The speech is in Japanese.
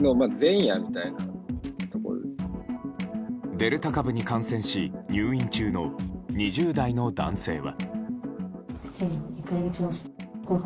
デルタ株に感染し入院中の２０代の男性は。